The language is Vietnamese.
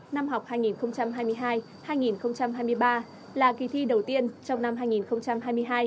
năm học hai nghìn hai mươi hai hai nghìn hai mươi ba là kỳ thi đầu tiên trong năm hai nghìn hai mươi hai